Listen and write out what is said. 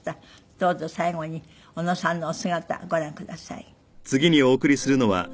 どうぞ最後に小野さんのお姿ご覧ください。